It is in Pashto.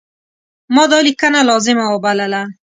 ما دا لیکنه لازمه وبلله.